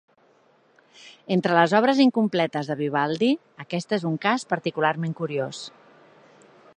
Entre les obres incompletes de Vivaldi aquesta és un cas particularment curiós.